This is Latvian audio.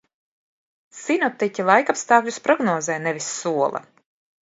Sinoptiķi laikapstākļus prognozē, nevis sola.